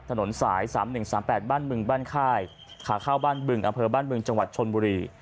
ถนนสาย๓๑๓๘บ้านบึงบ้านค่ายขาข้าวบ้านบึงอำเภอบ้านบึงจังหวัดชนบุรี